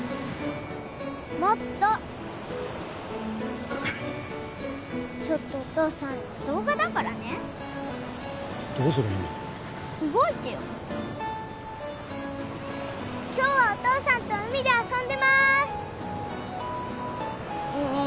もっとちょっとお父さん動画だからねどうすりゃいいんだよ動いてよ今日はお父さんと海で遊んでますねえ